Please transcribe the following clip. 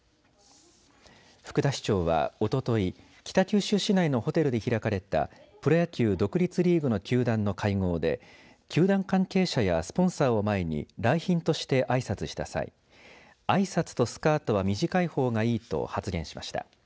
福田市長は、おととい北九州市内のホテルで開かれたプロ野球独立リーグの球団の会合で球団関係者やスポンサーを前に来賓としてあいさつした際あいさつとスカートは短いほうがいいと発言しました。